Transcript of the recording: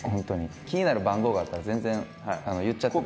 気になる番号があったら全然言っちゃって。